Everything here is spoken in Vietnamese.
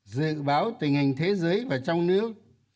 dự báo tình hình thế giới và trong nước